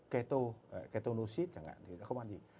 keto ketonoxid chẳng hạn thì nó không ăn gì